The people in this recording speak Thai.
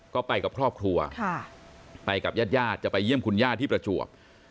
ก็ไปกับครอบครัวเยี่ยมคุณญาติที่ประจวบ